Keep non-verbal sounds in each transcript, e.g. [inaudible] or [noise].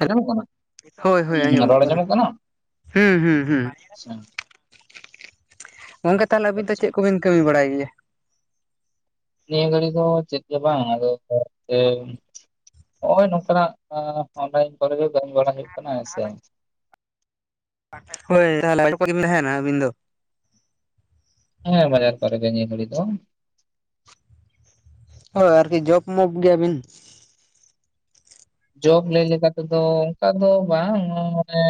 ᱟᱸᱡᱚᱢᱚᱜ ᱠᱟᱱᱟ ᱦᱳᱭ ᱦᱳᱭ ᱟᱸᱡᱚᱢᱚᱜ ᱠᱟᱱᱟ ᱦᱩᱸ ᱦᱩᱸ ᱦᱩᱸ ᱟᱪᱪᱷᱟ ᱜᱚᱝᱠᱮ ᱛᱟᱦᱞᱮ ᱟᱹᱵᱤᱱ ᱫᱚ ᱟᱪᱪᱷᱟ ᱪᱮᱫ ᱠᱚᱵᱤᱱ ᱠᱟᱹᱢᱤ ᱵᱟᱲᱟᱭ ᱜᱮᱭᱟ ᱱᱤᱭᱟᱹ ᱜᱷᱟᱹᱲᱤ ᱫᱚ ᱪᱮᱫ ᱜᱮᱵᱟᱝ ᱟᱫᱚ [unintelligible] ᱱᱚᱜᱼᱚᱭ ᱱᱚᱝᱠᱟᱱᱟᱜ ᱚᱱᱞᱟᱭᱤᱱ ᱠᱚᱨᱮ ᱜᱮ ᱠᱟᱹᱢᱤ ᱦᱳᱭᱳᱜ ᱠᱟᱱᱟ ᱦᱮᱸ ᱥᱮ ᱦᱳᱭ ᱛᱟᱦᱚᱞᱮ [unintelligible] ᱛᱟᱦᱮᱱᱟ ᱟᱹᱵᱤᱱ ᱫᱚ ᱦᱮᱸ ᱵᱟᱡᱟᱨ ᱠᱚᱨᱮ ᱜᱮ ᱱᱤᱭᱟᱹ ᱜᱷᱟᱹᱲᱤ ᱫᱚ ᱦᱳᱭ ᱟᱨᱠᱤ ᱡᱚᱵ ᱢᱚᱯ ᱜᱮᱭᱟᱵᱤᱱ ᱡᱚᱵ ᱞᱟᱹᱭ ᱞᱮᱠᱟ ᱛᱮᱫᱚ ᱚᱱᱠᱟ ᱫᱚ ᱵᱟᱝ ᱢᱟᱱᱮ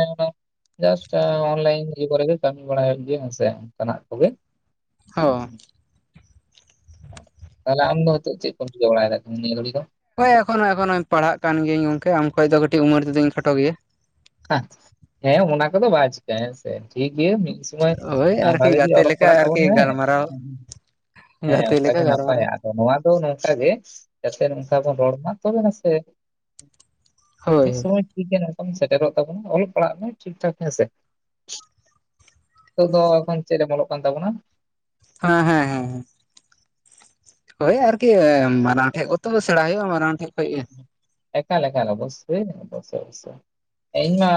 ᱡᱟᱥᱴ ᱚᱱᱞᱟᱭᱤᱱ ᱤᱭᱟᱹ ᱠᱚᱨᱮ ᱜᱮ ᱠᱟᱹᱢᱤ ᱵᱟᱲᱟᱭ ᱦᱳᱭᱳᱜ ᱜᱮᱭᱟ, ᱦᱮᱸ ᱥᱮ ᱚᱱᱠᱟᱱᱟᱜ ᱠᱚᱜᱮ ᱦᱚ ᱛᱟᱦᱞᱮ ᱟᱢ ᱫᱚ ᱦᱤᱛᱳᱜ ᱪᱮᱫ ᱠᱚᱢ ᱪᱤᱠᱟᱹ ᱵᱟᱲᱟᱭ ᱫᱟ ᱱᱤᱭᱟᱹ ᱜᱷᱟᱹᱲᱤ ᱫᱚ? ᱦᱳᱭ ᱮᱠᱷᱚᱱᱳ ᱮᱠᱷᱚᱱᱳ ᱯᱟᱲᱦᱟᱜ ᱠᱟᱱ ᱜᱤᱭᱟᱹᱧ ᱜᱚᱝᱠᱮ, ᱟᱢ ᱠᱷᱚᱡ ᱫᱚ ᱠᱟᱹᱴᱤᱡ ᱩᱢᱮᱨ ᱛᱮᱫᱚᱧ ᱠᱷᱟᱴᱚ ᱜᱮᱭᱟ ᱦᱮᱸ ᱚᱱᱟ ᱠᱚᱫᱚ ᱵᱟᱭ ᱪᱤᱠᱟᱹᱜᱟ ᱦᱮᱸᱥᱮ ᱴᱷᱤᱠ ᱜᱮᱭᱟ ᱢᱤᱫᱼ ᱥᱚᱢᱚᱭ ᱳᱭ ᱟᱨᱠᱤ ᱵᱷᱟᱜᱮ ᱴᱷᱤᱠ ᱜᱟᱛᱮ ᱚᱞᱚᱜ ᱞᱮᱠᱟ ᱯᱟᱲᱦᱟᱜ ᱛᱟᱵᱚᱱ ᱟᱨᱠᱤ ᱢᱮ ᱜᱟᱞᱢᱟᱨᱟᱣ ᱦᱮᱸ ᱜᱟᱛᱮ ᱞᱮᱠᱟ ᱚᱱᱠᱟᱜᱮ ᱜᱟᱞᱢᱟᱨᱟᱣ ᱱᱟᱯᱟᱭᱟ ᱱᱚᱣᱟ ᱫᱚ ᱱᱚᱝᱠᱟ ᱜᱮ ᱡᱟᱛᱮ ᱱᱚᱝᱠᱟ ᱵᱚᱱ ᱨᱚᱲ ᱢᱟ ᱛᱚᱵᱮ ᱱᱟᱥᱮ ᱦᱳᱭ ᱢᱤᱫ ᱥᱩᱢᱟᱹᱭ ᱴᱷᱤᱠ ᱜᱮ ᱱᱚᱝᱠᱟᱢ ᱥᱮᱴᱮᱨᱚᱜ [unintelligible] ᱚᱞᱚᱜ ᱯᱟᱲᱦᱟᱜ ᱢᱮ ᱴᱷᱤᱠ ᱴᱷᱟᱠ ᱦᱮᱸᱥᱮ ᱱᱤᱛᱚᱜ ᱫᱚ ᱮᱠᱷᱚᱱ ᱪᱮᱫ ᱨᱮᱢ ᱚᱞᱚᱜ ᱠᱟᱱ ᱛᱟᱵᱚᱱᱟ? ᱦᱮᱸ ᱦᱮᱸ ᱦᱮᱸ ᱦᱮᱸ ᱦᱳᱭ ᱟᱨᱠᱤ ᱢᱟᱨᱟᱝ ᱴᱷᱮᱡ ᱚᱛᱚ ᱥᱮᱬᱟ ᱦᱩᱭᱩᱜᱼᱟ ᱢᱟᱨᱟᱝ ᱴᱷᱮᱡ ᱠᱷᱚᱡ ᱜᱮ ᱮᱠᱟᱞ ᱮᱠᱟᱞ ᱚᱵᱚᱥᱥᱳᱭ ᱚᱵᱚᱥᱥᱳᱭ ᱚᱵᱚᱥᱥᱳᱭ ᱤᱧ ᱢᱟ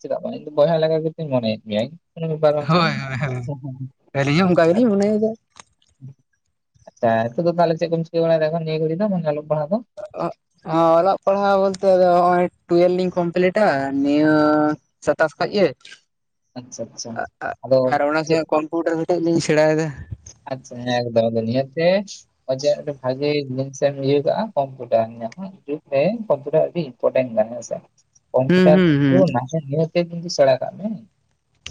ᱪᱮᱫᱟᱜ ᱵᱟᱝ ᱤᱧᱫᱚ ᱵᱚᱭᱦᱟ ᱞᱮᱠᱟ ᱜᱮᱛᱚᱧ ᱢᱚᱱᱮᱭᱮᱫ ᱢᱮᱭᱟ ᱤᱧ ᱠᱚᱱᱚ ᱵᱮᱯᱟᱨ ᱵᱟᱝ ᱠᱟᱱᱟ ᱟᱞᱤᱧ ᱦᱚᱸ ᱚᱱᱠᱟ ᱜᱮᱞᱤᱧ ᱢᱚᱱᱮ ᱮᱫᱟ ᱾ ᱟᱪᱪᱷᱟ ᱦᱤᱛᱳᱜ ᱫᱚ ᱛᱟᱦᱞᱮ ᱪᱮᱫ ᱠᱚᱢ ᱪᱤᱠᱟᱹ ᱵᱟᱲᱟᱭ ᱫᱟ ᱮᱠᱷᱚᱱ ᱱᱤᱭᱟᱹ ᱫᱚ ᱢᱟᱱᱮ ᱚᱞᱚᱜ ᱯᱟᱲᱦᱟᱣ ᱠᱚ ᱚᱞᱚᱜ ᱯᱟᱲᱦᱟᱣ ᱵᱚᱞᱛᱮ ᱱᱚᱜᱼᱚᱭ ᱴᱩᱭᱮᱞ ᱞᱤᱧ ᱠᱚᱢᱯᱞᱤᱴᱟ ᱱᱤᱭᱟᱹ ᱥᱟᱛᱟᱥ ᱠᱷᱚᱡ ᱜᱮ ᱟᱪᱪᱷᱟ ᱟᱪᱪᱷᱟ ᱟᱫᱚ ᱟᱨ ᱚᱱᱟ ᱪᱮᱫ [unintelligible] [unintelligible] ᱢᱤᱫᱴᱮᱡ ᱞᱤᱧ ᱥᱮᱬᱟᱭ ᱫᱟ ᱾ ᱟᱪᱪᱷᱟ ᱮᱠᱫᱚᱢ ᱱᱤᱭᱟᱹᱛᱮ ᱟᱹᱰᱤ ᱵᱷᱟᱜᱮ ᱡᱤᱱᱤᱥ ᱮᱢ ᱤᱭᱟᱹ ᱠᱟᱜᱼᱟ [unintelligible] ᱱᱟᱦᱟᱜ ᱡᱩᱜᱽ ᱨᱮ [unintelligible] ᱟᱹᱰᱤ [unintelligible] ᱦᱮᱸᱥᱮ ᱦᱩᱸ ᱠᱚᱢᱯᱤᱭᱩᱴᱟᱨ ᱦᱩᱸ ᱠᱤᱱᱛᱩ ᱱᱟᱥᱮ ᱱᱤᱦᱟᱹᱛ ᱜᱮ ᱠᱤᱱᱛᱩ ᱥᱮᱬᱟ ᱠᱟᱜ ᱢᱮ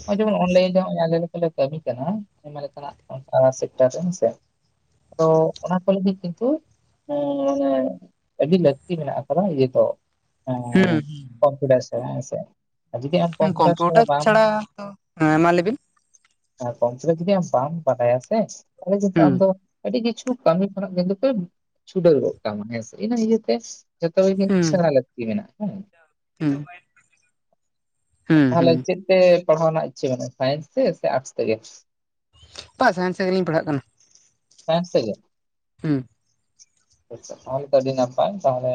ᱱᱚᱜᱼᱚᱭ ᱡᱮᱢᱚᱱ ᱚᱱ ᱞᱟᱭᱤᱱ ᱨᱮ ᱱᱚᱜᱼᱚᱭ ᱟᱞᱮ ᱜᱮᱛᱚ ᱞᱮ ᱠᱟᱹᱢᱤ ᱠᱟᱱᱟ ᱟᱭᱢᱟ ᱞᱮᱠᱟᱱᱟᱜ ᱚᱱᱠᱟ ᱥᱮᱠᱴᱟᱨ ᱨᱮ ᱦᱮᱸᱥᱮ ᱛᱚ ᱚᱱᱟ ᱠᱚ ᱞᱟᱹᱜᱤᱫ ᱠᱤᱱᱛᱩ ᱢᱟᱱᱮ ᱟᱹᱰᱤ ᱞᱟᱹᱠᱛᱤ ᱢᱮᱱᱟᱜ ᱟᱠᱟᱫᱟ ᱡᱮ ᱦᱚᱛᱚ ᱦᱩᱸ ᱠᱚᱢᱯᱤᱭᱩᱴᱟᱨ ᱥᱮᱬᱟ ᱦᱮᱸ ᱥᱮ ᱟᱨ ᱡᱩᱫᱤ ᱟᱢ ᱦᱩᱸ ᱠᱚᱢᱯᱤᱭᱩᱴᱟᱨ ᱥᱮᱬᱟ ᱵᱟᱢ ᱪᱷᱟᱲᱟ ᱛᱚ ᱦᱮᱸ ᱢᱟ ᱞᱟᱹᱭ ᱵᱤᱱ ᱠᱚᱢᱯᱤᱭᱩᱴᱟᱨ ᱡᱩᱫᱤ ᱟᱢ ᱵᱟᱢ ᱵᱟᱲᱟᱭᱟ ᱥᱮ ᱛᱟᱦᱞᱮ ᱡᱮ ᱦᱩᱸ ᱟᱢ ᱫᱚ ᱟᱹᱰᱤ ᱠᱤᱪᱷᱩ ᱠᱟᱹᱢᱤ ᱠᱷᱚᱱᱟᱜ ᱠᱤᱱᱛᱩ ᱯᱮ ᱪᱷᱩᱰᱟᱹᱨᱚᱜ ᱠᱟᱱᱟ ᱦᱮᱸᱥᱮ ᱤᱱᱟᱹ ᱤᱭᱟᱹᱛᱮ ᱡᱚᱛᱚ ᱜᱮ ᱦᱩᱸ ᱥᱮᱬᱟ ᱞᱟᱹᱠᱛᱤ ᱢᱮᱱᱟᱜᱼᱟ ᱦᱮᱸ ᱦᱩᱸ ᱦᱩᱸ ᱦᱩᱸ ᱛᱟᱦᱚᱞᱮ ᱪᱮᱫ ᱛᱮ ᱯᱟᱲᱦᱟᱣ ᱨᱮᱱᱟᱜ ᱤᱪᱷᱟᱹ ᱢᱮᱱᱟᱜᱼᱟ ᱥᱟᱭᱮᱱᱥ ᱛᱮ ᱥᱮ ᱟᱨᱴᱥ ᱛᱮᱜᱮ ᱵᱟᱝ ᱥᱟᱭᱮᱱᱥ ᱛᱮ ᱜᱮᱞᱤᱧ ᱯᱟᱲᱦᱟᱜ ᱠᱟᱱᱟ ᱥᱟᱭᱮᱱᱥ ᱛᱮ ᱜᱮ ᱦᱩᱸ ᱟᱪᱷᱟ ᱛᱟᱦᱚᱞᱮ ᱛᱚ ᱟᱹᱰᱤ ᱱᱟᱯᱟᱭ ᱛᱟᱦᱚᱞᱮ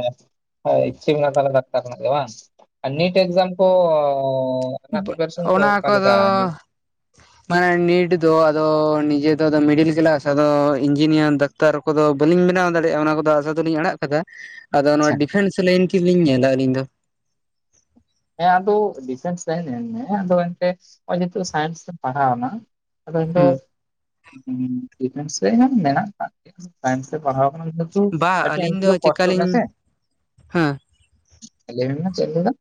ᱤᱪᱪᱷᱟᱹ ᱢᱮᱱᱟᱜ ᱟ ᱛᱟᱢᱟ ᱫᱟᱠᱛᱟᱨ ᱨᱮᱱᱟᱜ ᱜᱮ ᱵᱟᱝ ᱱᱮᱴ ᱤᱠᱡᱟᱢ ᱠᱚ ᱚᱱᱟ ᱯᱤᱯᱟᱨᱮᱥᱚᱱ ᱠᱚ ᱚᱱᱟ ᱚᱠᱟ ᱞᱮᱠᱟ ᱠᱚᱫᱚ ᱢᱟᱱᱮ ᱱᱮᱴ ᱫᱚ ᱟᱫᱚ ᱱᱤᱡᱮ ᱫᱚ ᱟᱫᱚ ᱢᱤᱰᱤᱞ ᱠᱮᱞᱟᱥ ᱟᱫᱚ ᱤᱱᱡᱤᱱᱤᱭᱟᱨ ᱫᱟ... ᱫᱟᱠᱛᱟᱨ ᱠᱚᱫᱚ ᱵᱟᱹᱞᱤᱧ ᱵᱮᱱᱟᱣ ᱫᱟᱲᱮᱭᱟᱜᱼᱟ ᱚᱱᱟ ᱠᱚᱫᱚ ᱟᱥᱟ ᱫᱚᱞᱤᱧ ᱟᱲᱟᱜ ᱠᱟᱫᱟ ᱟᱫᱚ ᱱᱚᱣᱟ ᱟᱪᱪᱷᱟ ᱰᱤᱯᱷᱮᱱᱥ ᱞᱟᱹᱭᱤᱱ ᱛᱮᱞᱤᱧ ᱧᱮᱞᱟ ᱟᱹᱞᱤᱧ ᱫᱚ ᱦᱮᱸ ᱟᱫᱚ ᱰᱤᱯᱷᱮᱱᱥ ᱞᱟᱭᱤᱱ ᱧᱮᱞ ᱢᱮ ᱟᱫᱚ ᱮᱱ ᱛᱮ ᱱᱚᱜᱼᱚᱭ ᱡᱮᱦᱮᱛᱩ ᱥᱟᱭᱮᱱᱥ ᱛᱮᱢ ᱯᱟᱲᱦᱟᱣ ᱮᱱᱟ ᱟᱫᱚ ᱦᱳᱭᱛᱚ ᱦᱩᱸ ᱰᱤᱯᱷᱮᱱᱥ ᱨᱮ ᱦᱚ ᱢᱮᱱᱟᱜ ᱠᱟᱫ ᱥᱟᱭᱮᱱᱥ ᱛᱮ ᱯᱟᱲᱦᱟᱣ ᱠᱟᱱᱟ ᱵᱟ ᱟᱹᱞᱤᱧ ᱡᱮᱦᱮᱛᱩ ᱫᱚ ᱠᱚᱥᱴᱚ ᱢᱮ ᱪᱮᱠᱟᱞᱤᱧ ᱥᱮ ᱦᱮᱸ ᱞᱟᱹᱭ ᱢᱮ ᱪᱮᱫ ᱮᱢ ᱞᱟᱹᱭ ᱫᱟ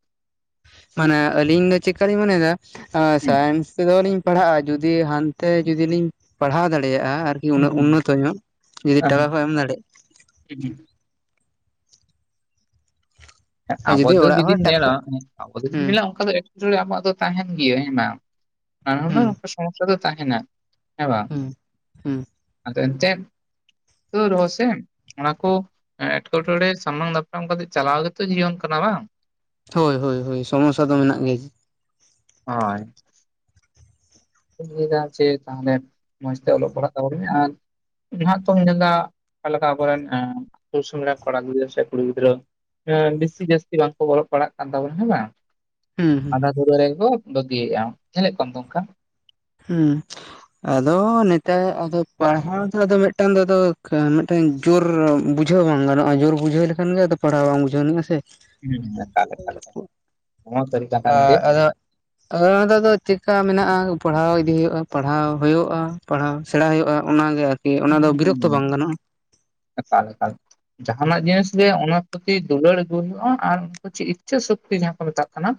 ᱢᱟᱱᱮ ᱟᱞᱤᱧ ᱫᱚ ᱪᱮᱠᱟ. ᱞᱤᱧ ᱢᱚᱱ ᱮᱫᱟ ᱟ.. ᱦᱩᱸ ᱥᱟᱭᱮᱱᱥ ᱛᱮᱫᱚ ᱞᱤᱧ ᱯᱟᱲᱦᱟᱜᱼᱟ ᱡᱩᱫᱤ ᱦᱟᱱᱛᱮ ᱡᱩᱫᱤ ᱞᱤᱧ ᱯᱟᱲᱦᱟᱣ ᱫᱟᱲᱮᱭᱟᱜᱼᱟ ᱟᱨ ᱦᱩᱸ ᱩᱱᱟᱹᱜ ᱦᱩᱸ ᱩᱱᱟ. ᱜ ᱛᱟᱭᱚᱜ ᱡᱩᱫᱤ ᱦᱮᱸ ᱴᱟᱠᱟ ᱠᱚ ᱮᱢ ᱫᱟᱲᱮᱭᱟᱜ [unintelligible] ᱟᱨ ᱟᱵᱚ ᱡᱩᱫᱤ ᱫᱚ ᱚᱲᱟᱜ ᱦᱚᱲ ᱡᱩᱫᱤᱢ ᱧᱮᱞᱟ ᱴᱟᱠᱟ ᱟᱵᱚ ᱫᱚ ᱡᱩᱫᱤᱢ ᱦᱩᱸ ᱧᱮᱞᱟ ᱚᱱᱠᱟ ᱫᱚ ᱮᱠᱪᱩᱞᱤ ᱟᱢᱟᱜ ᱫᱚ ᱛᱟᱦᱮᱱ ᱜᱤᱭᱟ ᱦᱮᱸ ᱵᱟᱝ ᱱᱟᱱᱟ ᱦᱩᱱᱟᱨ ᱦᱩᱸ ᱥᱚᱢᱚᱥᱭᱟ. ᱫᱚ ᱛᱟᱦᱮᱱᱟ ᱦᱮ ᱵᱟᱝ ᱦᱩᱸ ᱦᱩᱸ ᱟᱫᱚ ᱮᱱ ᱛᱮ ᱛᱚ ᱨᱮᱦᱚᱸ ᱥᱮ ᱚᱱᱟ ᱠᱚ ᱮᱴᱠᱮᱴᱚᱬᱮ ᱥᱟᱢᱟᱝ ᱫᱟᱯᱨᱟᱢ ᱠᱟᱛᱮ ᱪᱟᱞᱟᱣ ᱞᱮ ᱜᱮ.... ᱡᱤᱭᱚᱱ ᱠᱟᱱᱟ ᱵᱟᱝ ᱦᱳᱭ ᱦᱳᱭ ᱦᱳᱭ ᱥᱚᱢᱚᱥᱭᱟ. ᱫᱚ ᱢᱮᱱᱟᱜ ᱜᱮᱭᱟ ᱦᱳᱭ ᱤᱧᱤᱧ ᱞᱟᱹᱭ ᱫᱟ ᱡᱮ ᱛᱟᱦᱚᱞᱮ ᱢᱚᱸᱡᱽ ᱛᱮ ᱚᱞᱚᱜ ᱯᱟᱲᱦᱟᱜ ᱛᱟᱵᱚᱱ ᱢᱮ ᱟᱨ ᱱᱟᱦᱟᱜ ᱛᱚᱢ ᱧᱮᱞ ᱫᱟ ᱚᱠᱟ ᱞᱮᱠᱟ ᱟᱵᱚᱨᱮᱱ [unintelligible] ᱠᱚᱲᱟ ᱜᱤᱫᱽᱨᱟᱹ ᱥᱮ ᱠᱩᱲᱤ ᱜᱤᱫᱽᱨᱟᱹ ᱟᱸ.. ᱵᱤᱥᱤ ᱡᱟᱹᱥᱛᱤ ᱵᱟᱝ ᱠᱚ ᱚᱞᱚᱜ ᱯᱟᱲᱟᱜ ᱠᱟᱱ ᱛᱟᱵᱚᱱᱟ ᱦᱮᱸ ᱵᱟᱝ ᱦᱩᱸ ᱦᱩᱸ ᱟ. ᱫᱷᱩᱨᱟᱹ ᱨᱮᱠᱚ ᱵᱟᱹᱜᱤ ᱭᱮᱫᱼᱟ ᱧᱮᱞᱮᱫ ᱠᱚᱣᱟᱢ ᱛᱚ ᱚᱱᱠᱟ ᱦᱩᱸ ᱟᱫᱚ ᱱᱮᱛᱟᱨ ᱟᱫᱚ ᱯᱟᱲᱦᱟᱣ ᱫᱚ ᱟᱫᱚ ᱢᱤᱫ ᱴᱟᱝ ᱫᱚ ᱟᱫᱚ ᱢᱤᱫ ᱴᱟᱝ ᱡᱳᱨ ᱵᱩᱡᱷᱟᱹᱣ ᱵᱟᱝ ᱜᱟᱱᱚᱜᱼᱟ ᱡᱳᱨ ᱵᱩᱡᱷᱟᱹᱣ ᱞᱮᱠᱷᱟᱱ ᱜᱮ ᱟᱫᱚ ᱯᱟᱲᱦᱟᱣ ᱵᱟᱝ ᱵᱩᱡᱷᱟᱹᱣ ᱟᱱᱤᱜᱼᱟ ᱥᱮ [unintelligible] ᱱᱚᱣᱟ ᱥᱟᱹᱨᱤ ᱠᱟᱛᱷᱟ ᱟ.. ᱜᱚᱝᱠᱮ ᱟᱫᱳ ᱟ. ᱫᱟ. ᱫᱚ ᱪᱮᱠᱟ. ᱢᱮᱱᱟᱜᱼᱟ ᱯᱟᱲᱦᱟᱣ ᱤᱫᱤ ᱦᱩᱭᱩᱜᱼᱟ ᱯᱟᱲᱦᱟᱣ ᱦᱚᱭᱚᱜᱼᱟ ᱯᱟᱲᱦᱟᱣ ᱥᱮᱬᱟ ᱦᱚᱭᱚᱜᱼᱟ ᱚᱱᱟ ᱜᱮ ᱟᱨᱠᱤ ᱚᱱᱟ ᱫᱚ ᱵᱤᱨᱚᱠ ᱛᱚ ᱵᱟᱝ ᱜᱟᱱᱚᱜᱼᱟ ᱮᱠᱟᱞ ᱮᱠᱟᱞ ᱡᱟᱦᱟ ᱱᱟᱜ ᱡᱤᱱᱤᱥ ᱜᱮ ᱚᱱᱟ ᱯᱚᱨᱛᱤ ᱫᱩᱞᱟᱹᱲ ᱟᱹᱦᱩᱭᱩᱜ-ᱟ ᱟᱨ ᱤᱪᱷᱟᱹ ᱥᱚᱠᱛᱤ ᱡᱟᱦᱟᱸ ᱠᱚ ᱢᱮᱛᱟᱜ ᱠᱟᱱᱟ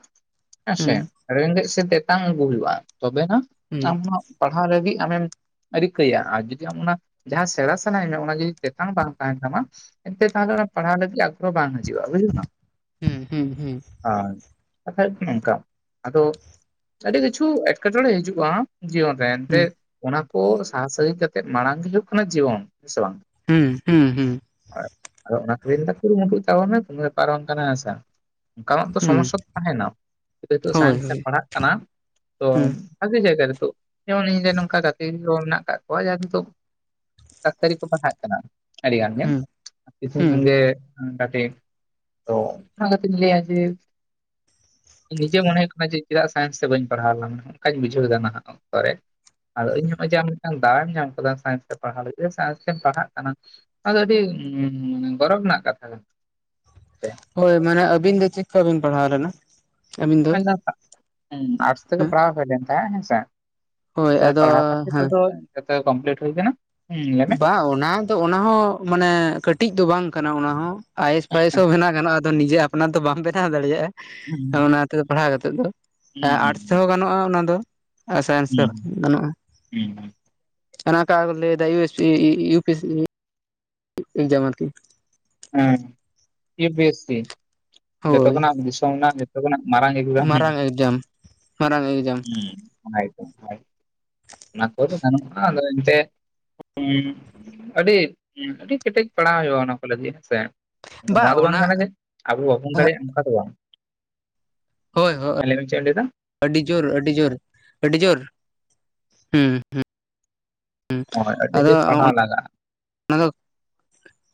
ᱦᱮᱸᱥᱮ ᱦᱩᱸ ᱨᱮᱜᱮᱡ ᱥᱮ ᱛᱮᱛᱟᱝ ᱟ. ᱜᱩ ᱦᱩᱭᱩᱜ-ᱟ ᱛᱚᱵᱮ ᱦᱟᱜ ᱦᱩᱸ ᱟᱢ ᱦᱚᱢ..... ᱯᱟᱲᱦᱟᱣ ᱞᱟᱹᱜᱤᱫ ᱟᱢᱮᱢ ᱨᱤᱠᱟᱹᱭᱟ ᱟᱨᱤ ᱠᱤ ᱟᱢ ᱚᱱᱟ ᱡᱟᱦᱟᱸ ᱥᱮᱬᱟ ᱥᱟᱱᱟᱭᱮᱫ ᱢᱮᱭᱟ ᱚᱱᱟ ᱡᱩᱫᱤ ᱛᱮᱛᱟᱝ ᱵᱟᱝ ᱛᱟᱦᱮᱱ ᱛᱟᱢᱟ ᱮᱱᱛᱮ ᱛᱟᱦᱚᱞᱮ ᱚᱱᱟ ᱯᱟᱲᱦᱟᱣ ᱞᱟᱹᱜᱤᱫ ᱟ ᱛᱚ ᱵᱟᱝ ᱦᱮᱱᱤᱡ ᱵᱩᱡᱷᱟᱜ ᱠᱟᱱᱟ ᱦᱩᱸ ᱦᱩᱸ ᱟᱨ ᱠᱟᱛᱷᱟ ᱦᱩᱭᱩᱜ ᱠᱟᱱᱟ ᱱᱚᱝᱠᱟ ᱟᱫᱚ ᱟᱹᱰᱤ ᱠᱤᱪᱷᱩ ᱮᱴᱠᱮᱴᱚᱬᱮ ᱦᱤᱡᱩᱜ-ᱟ ᱡᱤᱭᱚᱱ ᱨᱮ ᱮᱱᱛᱮ ᱦᱩᱸ ᱚᱱᱟ ᱠᱚ ᱥᱟᱦᱟ ᱥᱟᱹᱜᱤᱧ ᱠᱟᱛᱮᱜ ᱢᱟᱲᱟᱝ ᱜᱮ ᱦᱩᱭᱩᱜ ᱠᱟᱱᱟ ᱡᱤᱭᱚᱱ ᱦᱮ ᱥᱮ ᱵᱟᱝ ᱦᱩᱸ ᱦᱩᱸ ᱦᱩᱸ ᱦᱳᱭ ᱟᱫᱚ ᱚᱱᱟ ᱛᱤᱜᱤᱧ ᱢᱮᱫᱟ ᱡᱮ ᱠᱩᱨᱩᱢᱩᱴᱩᱭ ᱛᱟᱵᱚᱱ ᱢᱮ ᱥᱚᱢᱚᱭ ᱯᱟᱨᱚᱢᱚᱜ ᱠᱟᱱᱟ ᱦᱮᱥᱮ ᱚᱱᱠᱟᱱᱟᱜ ᱛᱚ ᱦᱩᱸ ᱥᱚᱢᱚᱥᱭᱟ ᱛᱟᱦᱮᱱᱟ ᱱᱤᱛᱳᱜ ᱦᱳᱭ ᱥᱟᱭᱮᱱᱥ ᱛᱮᱢ ᱦᱳᱭ ᱯᱟᱲᱦᱟᱜ ᱠᱟᱱᱟ ᱛᱚ ᱦᱩᱸ ᱵᱷᱟᱜᱮ ᱡᱟᱭᱜᱟ ᱨᱮ ᱛᱚ ᱡᱮᱢᱚᱱ ᱤᱧ ᱨᱮᱱ ᱱᱚᱝᱠᱟ ᱜᱟᱛᱮ ᱜᱤᱫᱽᱨᱟᱹ ᱦᱚᱸ ᱢᱮᱱᱟᱜ ᱟᱠᱟᱜ.... ᱱᱚᱜ-ᱚᱭ ᱡᱟᱦᱟᱸ ᱱᱤᱛᱚᱜ ᱰᱟᱠᱛᱟᱨᱤ ᱠᱚ ᱯᱟᱲᱦᱟᱜ ᱠᱟᱱᱟ ᱟᱹᱰᱤ ᱜᱟᱱ ᱜᱮ ᱦᱩᱸ ᱠᱤᱪᱷᱩ ᱢᱮᱱ ᱦᱩᱸ ᱜᱮ [unintelligible] ᱛᱚ ᱚᱱᱟ ᱠᱟᱹᱴᱤᱡ ᱞᱟᱹᱭᱟ ᱡᱮ ᱱᱤᱡᱮ ᱢᱚᱱᱮ ᱦᱩᱭᱩᱜ ᱠᱟᱱᱟ ᱡᱮ ᱪᱮᱫᱟᱜ ᱥᱟᱭᱮᱱᱥ ᱛᱮ ᱵᱟᱹᱧ ᱯᱟᱲᱦᱟᱣ ᱞᱮᱱᱟ ᱚᱱᱠᱟᱧ ᱵᱩᱡᱷᱟᱹᱣ ᱮᱫᱟ ᱱᱟᱦᱟᱜ ᱚᱠᱛᱚ ᱨᱮ ᱟᱫᱚ ᱤᱱ ᱡᱚᱠᱷᱟᱱ ᱡᱟᱦᱟᱞᱮᱠᱟᱱ ᱫᱟᱣ ᱢᱮ ᱧᱟᱢ ᱟᱠᱟᱫᱟ ᱥᱟᱭᱮᱱᱥ ᱛᱮ ᱯᱟᱲᱦᱟᱣ ᱞᱟᱹᱜᱤᱫ ᱥᱟᱭᱮᱱᱥ ᱛᱮᱢ ᱯᱟᱲᱦᱟᱜ ᱠᱟᱱᱟ ᱟᱫᱚ ᱟᱹᱰᱤ ᱜᱚᱨᱚᱵ ᱨᱮᱱᱟᱜ ᱠᱟᱛᱷᱟ ᱠᱟᱱᱟ ᱥᱮ ᱦᱚᱭ ᱢᱟᱱᱮ ᱟᱵᱤᱱ ᱫᱚ ᱪᱮᱫ ᱠᱷᱚᱱ ᱵᱤᱱ ᱯᱟᱲᱦᱟᱣ ᱞᱮᱱᱟ? ᱟᱹᱵᱤᱱ ᱫᱚ [unintelligible] ᱟᱨᱴᱥ ᱛᱮ ᱜᱤ ᱦᱮᱸ ᱯᱟᱲᱦᱟᱣ ᱦᱚᱭ ᱞᱮᱱ ᱛᱟᱦᱮ ᱦᱮᱸᱥᱮ ᱦᱳᱭ ᱟᱨᱴᱥ ᱨᱮ ᱟᱫᱚ ᱯᱟᱲᱦᱟᱣ ᱠᱷᱟᱹᱛᱤᱨ ᱦᱮᱸ ᱛᱮᱫᱚ ᱱᱮᱛᱟᱨ ᱠᱚᱢᱯᱞᱤᱴ ᱦᱩᱭ ᱟᱠᱟᱱᱟ ᱵᱟᱝ ᱚᱱᱟ ᱫᱚ ᱚᱱᱟ ᱦᱚᱸ ᱢᱟᱱᱮ ᱠᱟᱹᱴᱤᱡ ᱫᱚ ᱵᱟᱝ ᱠᱟᱱᱟ ᱚᱱᱟ ᱦᱚᱸ ᱟᱭᱮᱥ ᱯᱟᱭᱮᱥ ᱦᱚᱸ ᱵᱮᱱᱟᱣ ᱜᱟᱱᱚᱜ-ᱟ ᱟᱫᱚ ᱱᱤᱡᱮ ᱟᱯᱱᱟᱨ ᱫᱚ ᱵᱟᱢ ᱵᱮᱱᱟᱣ ᱦᱩᱸ ᱫᱟᱲᱮᱭᱟᱜ-ᱟ ᱚᱱᱟᱛᱮ ᱯᱟᱲᱦᱟᱣ ᱠᱟᱛᱮ ᱫᱚ, ᱦᱩᱸ ᱦᱩᱸ ᱟᱨᱴᱥ ᱛᱮᱦᱚᱸ ᱜᱟᱱᱚᱜ-ᱟ ᱚᱱᱟ ᱫᱚ ᱥᱟᱭᱮᱱᱥ ᱦᱩᱸ ᱛᱮᱦᱚᱸ ᱜᱟᱱᱚᱜ-ᱟ, ᱦᱮᱸ ᱚᱱᱟ ᱟᱠᱟ ᱠᱚ ᱞᱟᱹᱭ ᱫᱟ U S P U P S, [inaudible] ᱦᱮᱸ ᱤᱭᱩ ᱯᱤ ᱮᱥ ᱥᱤ ᱡᱚᱛᱚ ᱦᱳᱭ ᱠᱷᱚᱱᱟᱜ ᱫᱤᱥᱚᱢ ᱨᱮᱱᱟᱜ ᱡᱚᱛᱚ ᱠᱷᱚᱱᱟᱜ ᱢᱟᱨᱟᱝ [inaudible] ᱦᱩ ᱢᱟᱨᱟᱝ ᱮᱠᱡᱟᱢ ᱢᱟᱨᱟᱝ ᱮᱠᱡᱟᱢ ᱚᱱᱟ ᱜᱮᱛᱚ ᱚᱱᱟ ᱠᱚᱫᱚ ᱜᱟᱱᱚᱜ-ᱟ ᱟᱫᱚ ᱮᱱᱛᱮ- ᱟᱹᱰᱤ ᱟᱹᱰᱤ ᱠᱮᱴᱮᱡ ᱯᱟᱲᱦᱟᱣ ᱦᱩᱭᱩᱜ-ᱟ ᱚᱱᱟ ᱠᱚ ᱞᱟᱹᱜᱤᱫ ᱦᱮᱸᱥᱮ, ᱟᱫᱚ ᱵᱟ ᱱᱚᱣᱟ ᱫᱚ ᱵᱟᱝ ᱚᱱᱟ ᱠᱟᱱᱟ ᱡᱮ ᱟᱵᱚ ᱵᱟᱵᱚᱱ ᱫᱟᱲᱮᱭᱟᱜ-ᱟ ᱚᱱᱠᱟ ᱫᱚ ᱵᱟᱝ, ᱦᱳᱭ ᱦᱳᱭ ᱞᱟᱹᱭ ᱢᱮᱢ ᱪᱮᱫ ᱮᱢ ᱞᱟᱹᱭ ᱮᱫᱟ ᱟᱹᱰᱤ ᱡᱳᱨ ᱟᱹᱰᱤ ᱡᱳᱨ ᱟᱹᱰᱤ ᱡᱳᱨ ᱦᱩᱸ ᱦᱩᱸ ᱦᱳᱭ ᱟᱹᱰᱤ ᱡᱳᱨ ᱯᱟᱲᱦᱟᱣ ᱞᱟᱜᱟᱜ-ᱟ, ᱚᱱᱟ ᱫᱚ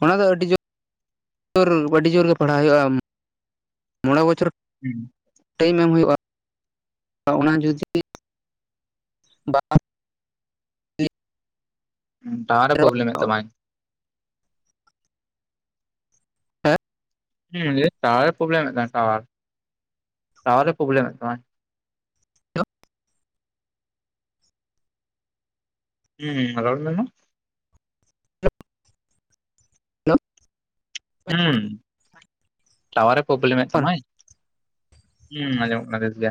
ᱚᱱᱟ ᱫᱚ ᱟᱹᱰᱤ ᱡᱳᱨ ᱟᱹᱰᱤ ᱡᱳᱨ ᱜᱮ ᱯᱟᱲᱦᱟᱣ ᱦᱩᱭᱩᱜ-ᱟ ᱢᱚᱬᱮ ᱵᱚᱪᱷᱚᱨ ᱦᱩᱸ ᱴᱟᱭᱤᱢ ᱮᱢ ᱦᱩᱭᱩᱜ-ᱟ ᱚᱱᱟ ᱡᱩᱫᱤ ᱵᱟᱝ ᱴᱟᱣᱟᱨ ᱮ ᱯᱨᱚᱵᱞᱮᱢ ᱮᱫ ᱛᱟᱢᱟᱭ ᱦᱩᱸ ᱜᱮ ᱴᱟᱣᱟᱨ ᱮ ᱯᱨᱚᱵᱞᱮᱢᱮᱫ ᱛᱟᱢᱟ ᱴᱟᱣᱟᱨ ᱴᱟᱣᱟᱨ ᱮ ᱯᱨᱚᱵᱞᱮᱢ ᱮᱫ ᱛᱟᱢᱟᱭ ᱦᱩᱸ ᱨᱚᱲ ᱢᱮ ᱢᱟ ᱦᱩᱸ ᱴᱟᱣᱟᱨᱮ ᱯᱨᱚᱵᱞᱮᱢ ᱮᱫ ᱛᱟᱢᱟᱭ ᱦᱩᱸ ᱟᱸᱡᱚᱢᱚᱜ ᱠᱟᱱᱟ ᱵᱮᱥ ᱜᱮ,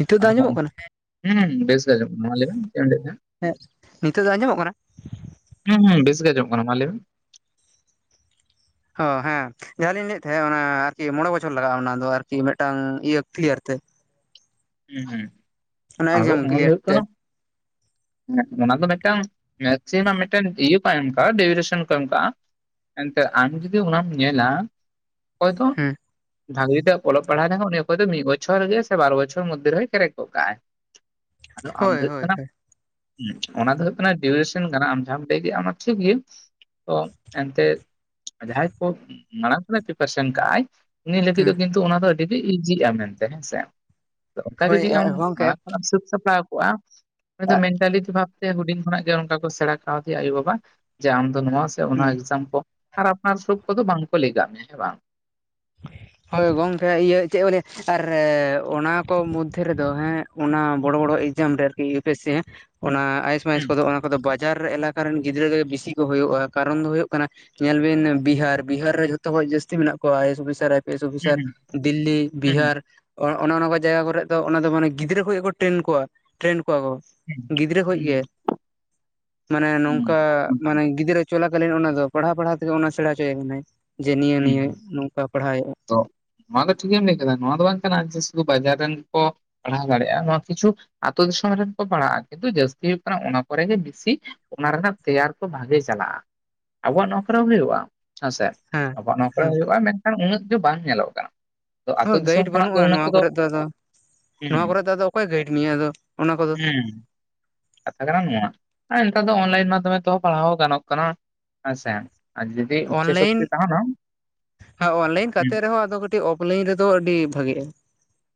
ᱱᱤᱛᱚᱜ ᱫᱚ ᱟᱫᱚ ᱟᱸᱡᱚᱢᱚᱜ ᱠᱟᱱᱟ ᱦᱩᱸ ᱵᱮᱥ ᱱᱤᱛᱚᱜ ᱟᱡᱚᱢᱚᱜ ᱠᱟᱱᱟ ᱢᱟ ᱞᱟᱹᱭ ᱢᱮ ᱪᱮᱫ ᱮᱢ ᱞᱟᱹᱭ ᱮᱫ ᱛᱟᱦᱮᱸᱫ, ᱦᱮᱸ ᱱᱤᱛᱚᱜ ᱫᱚ ᱟᱸᱡᱚᱢᱚᱜ ᱠᱟᱱᱟ ᱦᱩᱸ ᱦᱩᱸ ᱵᱮᱥ ᱜᱮ ᱟᱡᱚᱢᱚᱜ ᱠᱟᱱᱟ ᱢᱟ ᱞᱟᱹᱭ ᱢᱮ ᱦᱚ ᱦᱮᱸ ᱡᱟᱦᱟᱸ ᱞᱤᱧ ᱞᱟᱹᱭᱮᱫ ᱛᱟᱦᱮᱸᱫ ᱚᱱᱟ ᱟᱨᱠᱤ ᱢᱚᱬᱮ ᱵᱚᱪᱷᱚᱨ ᱞᱟᱜᱟᱜᱼᱟ ᱚᱱᱟ ᱫᱚ ᱟᱨᱠᱤ ᱢᱤᱫᱴᱟᱝ ᱤᱭᱟᱹ ᱠᱞᱤᱭᱟᱨ ᱛᱮ᱾ ᱦᱩᱸ ᱦᱩᱸ ᱟᱫᱚ ᱮᱠᱡᱟᱢ ᱚᱱᱟ ᱫᱚ ᱠᱞᱤᱭᱟᱨ ᱦᱩᱭᱩᱜ ᱛᱮ ᱠᱟᱱᱟ ᱚᱱᱟ ᱫᱚ ᱢᱤᱫᱴᱟᱝ ᱢᱮᱠᱥᱤᱢᱟᱢ ᱢᱤᱫᱴᱟᱝ ᱠᱚ ᱮᱢ ᱟᱠᱟᱜᱼᱟ ᱰᱮᱩᱨᱮᱥᱚᱱ ᱠᱚ ᱮᱢ ᱟᱠᱟᱜᱼᱟ ᱮᱱᱛᱮᱜ ᱟᱢ ᱡᱩᱫᱤ ᱚᱱᱟᱢ ᱧᱮᱞᱟ ᱦᱚᱭᱛᱚ ᱦᱩᱸ ᱵᱷᱟᱜᱤ ᱡᱩᱫᱤ ᱚᱞᱚᱜ ᱯᱟᱲᱦᱟᱣ ᱫ ᱩᱱᱤ ᱚᱭᱛ ᱫᱚ ᱢᱤᱫ ᱵᱪᱷᱚᱨ ᱜᱮ ᱥᱮ ᱵᱟᱨ ᱵᱚᱪᱷᱚᱨ ᱢᱚᱫᱽᱫᱷᱮ ᱨᱮᱭ ᱠᱮᱨᱮᱠᱚᱜ ᱠᱟᱜᱼ ᱟᱭ ᱟᱫᱚ ᱟᱢ ᱦᱳᱭ ᱫᱚ ᱦᱩᱭᱩᱜ ᱦᱳᱭ ᱠᱟᱱᱟᱢ ᱦᱳᱭ ᱦᱸ ᱚᱱᱟ ᱫᱚ ᱦᱳᱭᱩᱜ ᱠᱟᱱᱟ ᱰᱤᱭᱩᱨᱮᱥᱚᱱ ᱠᱟᱱᱟ ᱟᱢ ᱡᱟᱦᱟᱢ ᱟᱢ ᱞᱟᱹᱭ ᱫᱮ ᱟᱢ ᱴᱷᱤᱠ ᱜᱤ ᱛᱚ ᱮᱱᱛᱮᱡ ᱡᱟᱦᱟᱸᱭ ᱠᱚ ᱢᱟᱲᱟᱝ ᱠᱷᱚᱱᱟᱜ ᱯᱨᱤᱯᱟᱨᱮᱥᱚᱱ ᱠᱟᱜᱼ ᱟᱭ ᱩᱱᱤ ᱞᱟᱹᱜᱤᱫ ᱫᱚ ᱠᱤᱱᱛᱩ ᱚᱱᱟ ᱫᱚ ᱟᱹᱰᱤ ᱤᱡᱤᱜᱼᱟ ᱢᱮᱱᱛᱮ ᱦᱮᱸᱥᱮ ᱚᱱᱠᱟ ᱦᱳᱭ ᱡᱩᱫᱤ ᱟᱢ ᱜᱚᱝᱠᱮ ᱢᱟᱲᱟᱝ ᱠᱷᱚᱱᱟᱜ ᱮᱢ ᱥᱟᱹᱛ ᱥᱟᱯᱲᱟᱣ ᱠᱚᱜ-ᱟ ᱩᱱ ᱫᱚ ᱢᱮᱱᱴᱟᱞᱤ ᱡᱷᱟᱵ ᱡᱮ ᱦᱩᱰᱤᱧ ᱠᱷᱚᱱᱟᱜ ᱜᱮ ᱚᱱᱠᱟ ᱠᱚ ᱥᱮᱬᱟ ᱠᱟᱣᱫᱤᱭᱟ ᱟᱭᱳ ᱵᱟᱵᱟ ᱡᱮ ᱟᱢ ᱫᱚ ᱱᱚᱣᱟ ᱥᱮ ᱚᱱᱟ ᱮᱠᱡᱟᱢ ᱠᱚ ᱟᱨ ᱟᱯᱱᱟᱨ ᱥᱩᱵ ᱠᱚᱫᱚ ᱵᱟᱝ ᱠᱚ ᱞᱟᱹᱜ ᱠᱟᱜ ᱢᱮᱭᱟ ᱦᱮᱸ ᱵᱟᱝ ᱦᱳᱭ ᱜᱚᱝᱠᱮ ᱤᱭᱟᱹ ᱪᱮᱫ ᱠᱚ ᱞᱟᱹᱭᱟ ᱟᱨ ᱚᱱᱟ ᱠᱚ ᱢᱚᱫᱽᱫᱷᱮ ᱨᱮᱫᱚ ᱦᱮᱸ ᱚᱱᱟ ᱵᱚᱲᱚ ᱵᱚᱲᱚ ᱮᱠᱡᱟᱢ ᱨᱮ ᱟᱨᱠᱤ ᱤᱭᱩ ᱯᱤ ᱮᱥ ᱥᱤ ᱦᱩᱸ ᱚᱱᱟ ᱟᱭᱮᱥ ᱢᱟᱭᱮᱥ ᱦᱩᱸ ᱠᱚᱫᱚ ᱚᱱᱟ ᱠᱚᱫᱚ ᱵᱟᱡᱟᱨ ᱮᱞᱟᱠᱟ ᱨᱮᱱ ᱜᱤᱫᱽᱨᱟᱹ ᱜᱮ ᱵᱤᱥᱤ ᱠᱚ ᱦᱩᱭᱩᱜᱼᱟ ᱠᱟᱨᱚᱱ ᱫᱚ ᱦᱩᱭᱩᱜ ᱠᱟᱱᱟ ᱧᱮᱞᱵᱤᱱ ᱵᱤᱦᱟᱨ ᱵᱤᱦᱟᱨ ᱨᱮ ᱡᱷᱚᱛᱚᱠᱷᱚᱡ ᱡᱟᱹᱥᱛᱤ ᱢᱮᱱᱟᱜ ᱠᱚᱣᱟ [unintelligible] ᱟᱭ P S officer I P S officer ᱦᱩᱸ ᱫᱤᱞᱞᱤ ᱦᱩᱸ ᱵᱤᱦᱟᱨ ᱚᱱᱮ ᱚᱱᱟ ᱠᱟ ᱡᱟᱭᱜᱟ ᱠᱚᱨᱮ ᱫᱚ ᱚᱱᱟᱫᱚ ᱢᱟᱱᱮ ᱜᱤᱫᱽᱨᱟᱹ ᱠᱚᱡ ᱠᱚ ᱴᱨᱮᱱ ᱠᱚᱣᱟ ᱴᱨᱮᱱ ᱠᱚᱣᱟ ᱠᱚ ᱦᱩᱸ ᱜᱤᱫᱽᱨᱟᱹ ᱠᱷᱚᱡ ᱦᱩᱸ ᱜᱮ ᱢᱟᱱᱮ ᱦᱩᱸ ᱱᱚᱝᱠᱟ ᱦᱩᱸ ᱠᱟᱱ ᱢᱟᱱᱮ ᱜᱮᱭᱟ ᱜᱤᱫᱽᱨᱟᱹ ᱪᱚᱞᱟᱠᱟᱞᱤᱱ ᱚᱱᱟ ᱫᱚ ᱯᱟᱲᱦᱟᱣ ᱯᱟᱲᱦᱟᱣ ᱛᱮᱜᱮ ᱚᱱᱟ ᱥᱮᱬᱟ ᱟᱪᱚᱭᱮ ᱠᱟᱱᱟᱭ ᱡᱮ ᱱᱤᱭᱟᱹ ᱦᱩᱸ ᱱᱤᱭᱟᱹ ᱦᱩᱸ ᱱᱚᱝᱠᱟ ᱯᱟᱲᱦᱟᱣ ᱦᱩᱭᱩᱼᱟ ᱛᱚ ᱱᱚᱣᱟ ᱫᱚ ᱴᱷᱤᱠᱮᱢ ᱞᱟᱹᱭ ᱠᱮᱫᱟ ᱱᱚᱣᱟ ᱫᱚ ᱵᱟᱝ ᱠᱟᱱᱟ ᱥᱩᱫᱷᱩ ᱵᱟᱡᱟᱨ ᱨᱮᱱ ᱠᱚ ᱯᱟᱲᱦᱟᱣ ᱫᱟᱲᱮᱭᱟᱜᱼᱟ ᱱᱚᱣᱟ ᱠᱤᱪᱷᱩ ᱟ ᱟᱛᱩ ᱫᱤᱥᱚᱢ ᱨᱮᱱ ᱠᱚ ᱯᱟᱲᱦᱟᱜᱼᱟ ᱠᱤᱱᱛᱩ ᱡᱟᱹᱥᱛᱤ ᱦᱩᱭᱩᱜ ᱠᱟᱱᱟ ᱚᱱᱟ ᱠᱚᱨᱮ ᱜᱮ ᱵᱮᱥᱤ ᱚᱱᱟ ᱨᱮᱱᱟᱜ ᱛᱮᱭᱟᱨ ᱠᱚ ᱵᱷᱟᱜᱮ ᱪᱟᱞᱟᱜᱼᱟ ᱟᱵᱚᱣᱟᱜ ᱱᱚᱣᱨᱮ ᱦᱚᱸ ᱦᱩᱭᱩᱜᱼᱟ ᱦᱮᱸᱥᱮ ᱦᱮᱸ ᱟᱵᱚᱣᱟᱜ ᱱᱚᱣᱟ ᱠᱚᱨᱮ ᱦᱮᱸ ᱦᱚᱸ ᱦᱩᱭᱩᱜᱼᱟ ᱢᱮᱱᱠᱷᱟᱱ ᱩᱱᱟᱹᱜ ᱫᱚ ᱵᱟᱝ ᱧᱮᱞᱚᱜ ᱠᱟᱱᱟ ᱛᱚ ᱦ ᱟᱛᱳ ᱫᱤᱥᱚᱢ ᱜᱟᱹᱭᱤᱰ ᱠᱷᱚᱱᱟᱜ ᱫᱚ ᱵᱟᱹᱱᱩᱜᱼᱟ ᱩᱱᱟᱹᱜ ᱱᱚᱣᱟ ᱠᱚᱫᱚ ᱠᱚᱨᱮ ᱫᱚ ᱟᱫᱚ ᱦᱩᱸ ᱱᱚᱣᱟ ᱠᱚᱨᱮ ᱫᱚ ᱟᱫᱚ ᱚᱠᱚᱭᱮ ᱜᱟᱹᱭᱤᱰ ᱢᱮᱭᱟ ᱟᱫᱚ ᱚᱱᱟ ᱠᱚᱫᱚ ᱦᱮᱸ ᱠᱟᱛᱷᱟ ᱠᱟᱱᱟ ᱱᱚᱣᱟ ᱟᱨ ᱱᱮᱛᱟᱨ ᱫᱚ ᱚᱱᱞᱟᱭᱤᱱ ᱢᱟᱫᱷᱚᱢᱮᱛᱚ ᱯᱟᱲᱦᱟᱣ ᱜᱟᱱᱚᱜ ᱠᱟᱱᱟ ᱦᱮᱸᱥᱮ᱾ ᱟᱨ ᱡᱩᱫᱤ ᱤᱪᱪᱷᱟᱹ ᱚᱱᱞᱟᱭᱤᱱ ᱥᱚᱠᱛᱤ ᱛᱟᱦᱮᱱᱟ ᱦᱮᱸ ᱚᱱᱞᱟᱭᱤᱱ ᱦᱩᱸ ᱠᱟᱛᱮᱜ ᱨᱮᱦᱚᱸ ᱟᱫᱠᱟᱹ ᱠᱟᱴᱤᱡ ᱚᱯ ᱞᱟᱹᱭᱤᱱ ᱨᱮᱫᱚ ᱟᱹᱰᱤ ᱵᱷᱟᱹᱜᱤᱜᱼᱟ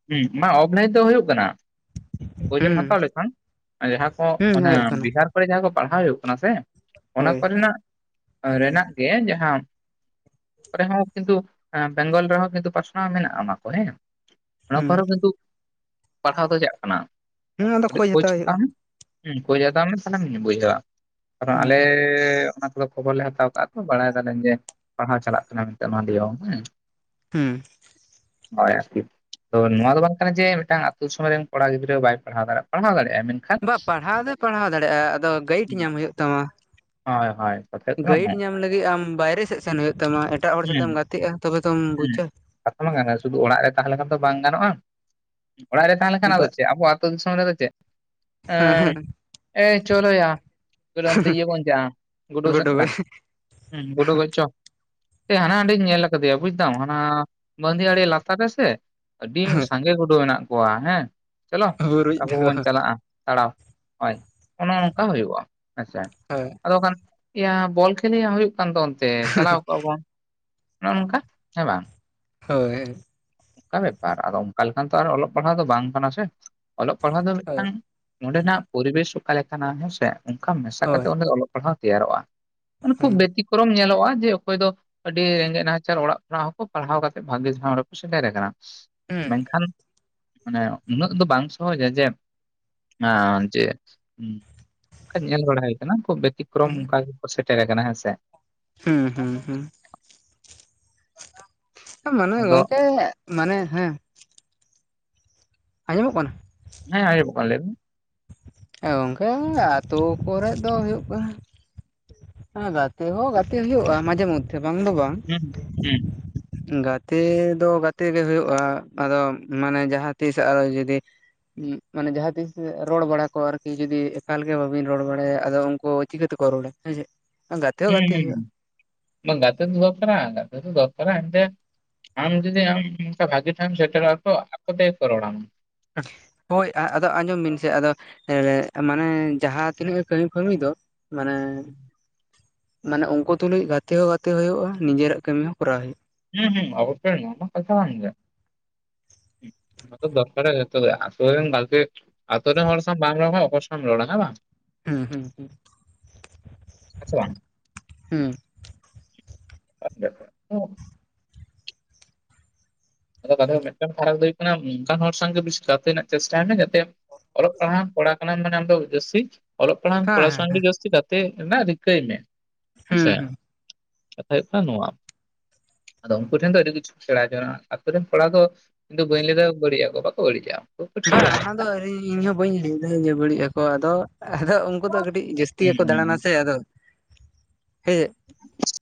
ᱦᱩᱸ ᱢᱟ ᱚᱯᱷᱞᱟᱹᱭᱤᱱ ᱛᱮ ᱦᱩᱭᱩᱜ ᱠᱟᱱᱟ ᱠᱳᱡᱮᱢ ᱦᱩᱸ ᱦᱟᱛᱟᱣ ᱞᱮᱠᱷᱟᱱ ᱡᱟᱦᱟᱸ ᱠᱚ ᱦᱩᱸ ᱦᱩᱭᱩᱜ ᱠᱟᱱᱟ ᱵᱤᱦᱟᱨ ᱠᱚ ᱡᱟᱦᱟᱸ ᱠᱚ ᱯᱟᱲᱦᱟᱣ ᱦᱩᱭᱩᱜ ᱠᱟᱱᱟ ᱥᱮ ᱚᱱᱟ ᱦᱳᱭ ᱠᱚᱨᱮᱱᱟᱜ ᱨᱮᱱᱟᱜ ᱜᱮ ᱡᱟᱦᱟᱸ ᱠᱚᱨᱮᱦᱚ ᱠᱤᱱᱛᱩ ᱵᱮᱝᱜᱚᱞ ᱨᱮᱦᱚᱸ ᱠᱤᱱᱛᱩ ᱯᱟᱥᱱᱟᱣ ᱢᱮᱱᱟᱜᱼᱟ ᱚᱱᱟ ᱠᱚ ᱦᱮᱸ ᱚᱱᱟ ᱦᱩᱸ ᱠᱚᱨᱮᱦᱚᱸ ᱠᱤᱱᱛᱩ ᱯᱟᱲᱦᱟᱣ ᱫᱚ ᱪᱟᱜ ᱠᱟᱱᱟ ᱦᱩᱸ ᱟᱫᱚ ᱠᱟᱹᱴᱤᱡ ᱠᱷᱚᱡ ᱠᱷᱳᱪ ᱦᱟᱛᱟᱣ ᱦᱩᱭᱩᱜᱼᱟ ᱢᱮ ᱡᱷᱳᱡ ᱦᱟᱛᱟᱣ ᱢᱮ ᱛᱟᱦᱞᱮᱢ ᱵᱩᱡᱷᱮᱻᱟ ᱠᱟᱨᱚᱱ ᱟᱞᱮ ᱦᱩᱸ ᱚᱱᱟ ᱠᱷᱚᱵᱚᱨ ᱞᱮ ᱦᱟᱛᱟᱣ ᱠᱟᱜᱼᱟ ᱛᱚ ᱵᱟᱲᱟᱭ ᱫᱟᱞᱮᱧ ᱡᱮ ᱯᱟᱲᱦᱟᱣ ᱪᱟᱞᱟᱜ ᱠᱟᱱᱟ ᱢᱮᱱᱛᱮ ᱱᱚᱣᱟ ᱫᱤᱭᱮ ᱦᱚ ᱦᱩᱸ ᱦᱩᱸ ᱦᱳᱭ ᱟᱨᱠᱤ ᱛᱚ ᱱᱚᱣᱟ ᱫᱚ ᱵᱟᱝ ᱠᱟᱱᱟ ᱡᱮ ᱢᱤᱫᱴᱟᱝ ᱟᱛᱩ ᱥᱚᱢᱚᱭ ᱨᱮᱱ ᱠᱚᱲᱟ ᱜᱤᱫᱽᱨᱟᱹ ᱵᱟᱭ ᱯᱟᱲᱦᱟᱣ ᱫᱟᱲᱮᱭᱟ ᱯᱟᱲᱦᱟᱣᱜ ᱫᱟᱲᱮᱟᱭ ᱢᱮᱱ ᱵᱟ ᱯᱟᱲᱦᱟᱣ ᱫᱚᱭ ᱯᱟᱲᱦᱟᱣ ᱫᱟᱲᱮᱭᱟᱜᱼᱟ ᱟᱫᱚ ᱜᱟᱹᱭᱤᱴ ᱦᱩᱸ ᱧᱟᱢ ᱦᱩᱭᱩᱜ ᱛᱟᱢᱟ ᱦᱳᱭ ᱦᱳᱭ ᱠᱟᱛᱷᱟ ᱦᱩᱭᱩᱜ ᱠᱟᱱᱟ ᱱᱚᱣᱟ ᱜᱟᱹᱭᱤᱰ ᱧᱟᱢ ᱞᱟᱹᱜᱤᱫ ᱟᱢ ᱵᱟᱭᱨᱮ ᱥᱮᱫ ᱥᱮᱱ ᱦᱩᱭᱩᱜ ᱛᱟᱢᱟ ᱮᱴᱟᱜ ᱦᱚᱲ ᱦᱩᱸ ᱥᱟᱛᱮ ᱮᱢ ᱜᱟᱛᱮᱜᱼᱟ ᱛᱚᱵᱮ ᱛᱚᱢ ᱦᱩᱸ ᱵᱩᱪᱟ ᱠᱟᱛᱷᱟ ᱢᱟ ᱜᱟᱱᱚᱼ ᱥᱩᱫᱷᱩ ᱚᱲᱟᱜ ᱨᱮ ᱛᱟᱦᱮᱸᱞᱮᱠᱷᱟᱱ ᱫᱚ ᱵᱟᱝ ᱜᱟᱱᱚᱜᱼᱟ ᱚᱲᱟᱜ ᱨᱮ ᱛᱟᱦᱮᱸᱞᱮᱠᱷᱟᱱ ᱟᱫᱚ ᱵᱟ ᱪᱮᱫ ᱟᱵᱚᱣᱟᱜ ᱟᱹᱛᱩ ᱫᱤᱥᱚᱢ ᱨᱮᱫᱚ ᱪᱮᱫ [unintelligible] ᱦᱮᱸ ᱦᱮᱸ ᱮᱸ ᱪᱚᱞᱚᱭᱟ ᱚᱱᱛᱮ ᱤᱭᱟᱹ ᱵᱚᱱ ᱪᱟ ᱟ ᱜᱩᱰᱩ ᱥᱮᱸᱫᱨᱟ ᱦᱮᱸ ᱜᱳᱰᱳ ᱜᱚᱡ ᱪᱚ ᱦᱟᱱᱟ ᱦᱟᱸᱰᱮᱧ ᱧᱮᱞ ᱠᱟᱫᱮᱭᱟ ᱵᱩᱡᱫᱟᱢ ᱦᱟᱱᱟ ᱵᱟᱺᱫᱷᱤ ᱟᱲᱮ ᱞᱟᱛᱟᱨ ᱨᱮᱥᱮ ᱟᱹᱰᱤ ᱥᱟᱸᱜᱮ ᱜᱩᱰᱩ ᱢᱮᱱᱟᱜ ᱠᱚᱣᱟ ᱦᱮᱸ ᱪᱚᱞᱚ ᱵᱩᱨᱩᱡ ᱟᱵᱚ ᱫᱚ ᱵᱚᱱ ᱪᱟᱞᱟᱜᱼᱟ ᱛᱟᱲᱟᱣ ᱦᱳᱭ ᱚᱱᱮ ᱚᱱᱠᱟ ᱦᱩᱭᱩᱜᱼᱟ ᱦᱮᱸᱥᱮ [inaudible] ᱟᱫᱚ ᱠᱷᱟᱱ ᱮᱭᱟᱹ ᱵᱚᱞ ᱠᱷᱮᱞ ᱭᱟ ᱦᱩᱭᱩᱜ ᱠᱟᱱ ᱫᱚ ᱚᱱᱛᱮ ᱪᱟᱞᱟᱣ ᱠᱚᱜᱼᱟ ᱵᱚᱱ ᱱᱚᱜ ᱱᱚᱝᱠᱟ ᱦᱮᱸ ᱵᱟᱝ ᱦᱳᱭ ᱚᱱᱠᱟ ᱵᱮᱯᱟᱨ ᱟᱫᱚ ᱚᱱᱠᱟ ᱞᱮᱠᱷᱟᱱ ᱛᱚ ᱚᱞᱚᱜ ᱯᱟᱲᱦᱟᱜ ᱫᱚ ᱵᱟᱝ ᱠᱟᱱᱟ ᱥᱮ ᱚᱞᱚᱜ ᱯᱟᱲᱦᱟᱜ ᱫᱚ ᱦᱳᱭ ᱢᱤᱫᱴᱟᱝ ᱚᱸᱰᱮᱱᱟᱜ ᱯᱚᱨᱤᱵᱮᱥ ᱚᱠᱟ ᱞᱮᱠᱟᱱᱟ ᱦᱮᱸᱥᱮ ᱚᱱᱠᱟ ᱢᱮᱥᱟ ᱠᱟᱛᱮ ᱦᱳᱭ ᱚᱸᱰᱮ ᱚᱞᱚᱜ ᱯᱟᱲᱦᱟᱣ ᱛᱮᱭᱟᱨᱚᱜᱼᱟ᱾ ᱩᱱᱠᱩ ᱦᱩᱸ ᱵᱮᱛᱤᱠ ᱠᱚᱨᱚᱢ ᱧᱮᱞᱚᱜᱼᱟ ᱡᱮ ᱚᱠᱚᱭ ᱫᱚ ᱟᱹᱰᱤ ᱨᱮᱸᱜᱮᱡ ᱱᱟᱪᱟᱨ ᱚᱲᱟᱜ ᱠᱷᱚᱱᱟᱜ ᱦᱚᱸᱠᱚ ᱯᱟᱲᱦᱟᱣ ᱠᱟᱛᱮ ᱵᱷᱟᱜᱤ ᱴᱷᱟᱶ ᱨᱮ ᱥᱮᱴᱮᱨᱟ ᱠᱟᱱᱟ ᱢᱮᱱᱠᱷᱟᱱ ᱢᱟᱱᱮ ᱩᱱᱟᱹᱜ ᱫᱚ ᱵᱟᱝ ᱥᱚᱦᱚᱡᱟ ᱡᱮ ᱦᱟᱸ ᱡᱮ ᱧᱮᱞ ᱵᱟᱲᱟ ᱦᱩᱭ ᱠᱟᱱᱟ ᱠᱷᱩᱵ ᱵᱮᱛᱤ ᱯᱷᱨᱚᱢ ᱚᱱᱠᱟ ᱜᱮᱠᱚ ᱥᱮᱴᱮᱨᱟ ᱟᱠᱟᱱᱟ ᱦᱮᱸ ᱥᱮ, ᱦᱩᱸ ᱦᱩᱸ ᱦᱩᱸ ᱢᱟᱱᱮ ᱟᱫᱚ ᱜᱚᱢᱠᱮ ᱢᱟᱱᱮ ᱦᱮᱸ ᱟᱸᱡᱚᱢᱚᱜ ᱠᱟᱱᱟ? ᱦᱮᱸ ᱟᱨᱮ ᱵᱚᱠᱚᱧ ᱞᱟᱹᱭ ᱢᱮ ᱦᱮᱸ ᱜᱚᱝᱠᱮ ᱟᱛᱳ ᱠᱚᱨᱮ ᱫᱚ ᱦᱩᱭᱩᱜ ᱠᱟᱱᱟ ᱦᱮᱸ ᱜᱟᱛᱮ ᱦᱚᱸ ᱜᱟᱛᱮ ᱦᱩᱭᱩᱜᱼᱟ ᱢᱟᱡᱷᱮ ᱢᱚᱫᱽᱫᱷᱮ ᱵᱟᱝ ᱫᱚ ᱵᱟᱝ᱾ ᱦᱩᱸ ᱦᱩᱸ ᱜᱟᱛᱮ ᱫᱚ ᱜᱟᱛᱮ ᱜᱮ ᱦᱳᱭᱳᱜᱼᱟ ᱟᱫᱚ ᱢᱟᱱᱮ ᱡᱟᱦᱟᱸ ᱛᱤᱥ ᱟᱨᱚ ᱡᱩᱫᱤ ᱢᱟᱱᱮ ᱡᱟᱦᱟᱸ ᱛᱤᱥ ᱨᱚᱲ ᱵᱟᱲᱟ ᱠᱚ ᱟᱨᱠᱤ ᱡᱩᱫᱤ ᱮᱠᱟᱞ ᱜᱮ ᱵᱟᱹᱵᱤᱱ ᱨᱚᱲ ᱵᱟᱲᱟᱭᱟ ᱟᱫᱚ ᱩᱱᱠᱩ ᱪᱤᱠᱟᱹ ᱛᱮᱠᱚ ᱨᱚᱲᱟ ᱦᱮᱸ ᱡᱮ ᱦᱩᱸ ᱦᱩᱸ ᱵᱟᱝ ᱜᱟᱛᱮ ᱫᱚ ᱫᱚᱨᱠᱟᱨᱟ ᱜᱟᱛᱮ ᱫᱚᱨᱠᱟᱨᱟ ᱮᱱᱛᱮ ᱟᱢ ᱡᱫᱤ ᱟᱢ ᱚᱱᱠᱟ ᱵᱷᱟᱹᱜᱤ ᱴᱷᱟᱣ ᱮᱢ ᱥᱮᱴᱮᱨᱟ ᱛᱚ ᱟᱠᱚ ᱛᱮᱜᱮ ᱠᱚ ᱨᱚᱲᱟᱢᱟ ᱦᱳᱭ ᱟᱫᱚ ᱟᱸᱡᱚᱢ ᱵᱤᱱ ᱥᱮ ᱟᱫᱚ ᱦᱮ [inaudible] ᱢᱟᱱᱮ ᱡᱟᱦᱟᱸ ᱛᱤᱱᱟᱹᱜ ᱜᱮ ᱠᱟᱹᱢᱤ ᱠᱟᱹᱢᱤ ᱫᱚ ᱢᱟᱱᱮ ᱢᱟᱱᱮ ᱩᱱᱠᱩ ᱛᱩᱞᱩᱡ ᱜᱟᱛᱮ ᱦᱚᱸ ᱜᱟᱛᱮ ᱦᱳᱭᱩᱜᱼᱟ ᱱᱤᱡᱮᱨᱟᱜ ᱠᱟᱹᱢᱤ ᱦᱚᱸ ᱠᱚᱨᱟᱣ ᱦᱳᱭᱩᱜᱼᱟ᱾ ᱦᱩᱸ ᱦᱩᱸ ᱚᱵᱚᱥᱳᱭ ᱱᱚᱣᱟ ᱦᱚᱸ ᱠᱟᱛᱷᱟ ᱠᱟᱱ ᱜᱮᱭᱟ᱾ ᱟᱫᱚ ᱫᱚᱨᱠᱟᱨᱚᱜᱼᱟ ᱡᱷᱚᱛᱚ ᱜᱮ ᱟᱛᱳ ᱨᱮᱱ ᱜᱟᱛᱮ ᱟᱛᱳ ᱨᱮᱱ ᱦᱚᱲ ᱥᱟᱣ ᱵᱟᱢ ᱨᱚᱲᱢᱟ ᱚᱠᱚᱭ ᱥᱚᱣᱮᱢ ᱨᱚᱲᱟ ᱦᱮᱸ ᱵᱟᱝ ᱦᱮᱸ ᱦᱩᱸ ᱦᱩᱸ ᱦᱮᱸ ᱥᱮ ᱵᱟᱝ ᱦᱩᱸ ᱦᱮᱸ ᱟ [inaudible] ᱟᱫᱚ ᱠᱟᱛᱷᱟ ᱫᱚ ᱢᱤᱫᱴᱟᱝ ᱯᱷᱟᱨᱟᱠ ᱫᱚ ᱦᱩᱭᱩᱜ ᱠᱟᱱᱟ ᱚᱱᱠᱟᱱ ᱦᱚᱲ ᱥᱟᱶᱜᱮ ᱵᱮᱥᱤ ᱜᱟᱛᱮ ᱨᱮᱱᱟᱜ ᱪᱮᱥᱴᱟᱭ ᱢᱮ ᱡᱟᱛᱮ ᱚᱞᱚᱜ ᱯᱟᱲᱦᱟᱣ ᱠᱚᱲᱟ ᱠᱟᱱᱟᱢ ᱢᱟᱱᱮ ᱟᱢ ᱫᱚ ᱡᱟᱹᱥᱛᱤ ᱚᱞᱚᱜ ᱯᱟᱲᱦᱟᱣᱟᱱ ᱠᱚᱲᱟ ᱦᱮᱸ ᱥᱚᱝᱜᱮ ᱦᱮᱸ ᱡᱟᱹᱥᱛᱤ ᱜᱟᱛᱮ ᱨᱮᱱᱟᱜ ᱨᱤᱠᱟᱹᱭ ᱢᱮ ᱦᱮᱸᱥᱮ᱾ ᱦᱩᱸ ᱦᱩᱸ ᱠᱟᱛᱷᱟ ᱦᱩᱭᱩᱜ ᱠᱟᱱᱟ ᱱᱚᱣᱟ ᱟᱫᱚ ᱩᱱᱠᱩ ᱴᱷᱮᱱ ᱫᱚ ᱟᱹᱰᱤ ᱠᱤᱪᱷᱩᱢ ᱥᱮᱬᱟ ᱡᱚᱱᱚᱜᱼᱟ ᱾ ᱟᱹᱛᱩ ᱨᱮᱱ ᱠᱚᱲᱟ ᱫᱚ ᱤᱧᱫᱚ ᱵᱟᱹᱧ ᱞᱟᱹᱭᱫᱟ ᱵᱟᱹᱲᱤᱡ ᱟᱠᱚ ᱵᱟᱠᱚ ᱵᱟᱹᱲᱤᱡᱼᱟ᱾ ᱠᱚ ᱵᱟ ᱴᱷᱤᱠᱟ ᱚᱱᱟ ᱫᱚ ᱤᱧᱦᱚ ᱵᱟᱹᱧ ᱞᱟᱹᱭ ᱫᱫᱟᱧ [inaudible] ᱵᱟᱹᱲᱤᱡ ᱟᱠᱚ ᱟᱫᱚ ᱟᱫᱚ ᱩᱱᱠᱩ ᱫᱚ ᱠᱟᱹᱴᱤᱡ ᱡᱟᱹᱥᱛᱤ ᱦᱩᱸ ᱜᱮᱠᱚ ᱦᱩᱸ ᱫᱟᱬᱟᱱᱟ ᱥᱮ ᱟᱫᱚ ᱦᱮᱸ᱾ [inaudible]